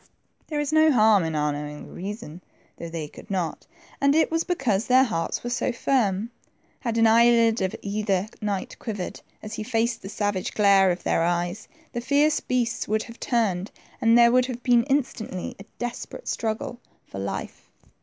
There is no harm in our knowing the reason, though they could not, and it was because their hearts were so firm. Had an eyelid of either knight quivered, as he faced the savage glare of their eyes, the fierce beasts would have turned, and there would have been instantly a desperate struggle 80 THE TWO PRINCES. for life.